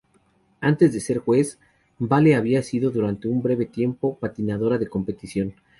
Antes de ser juez, Vale había sido durante un breve tiempo patinadora de competición.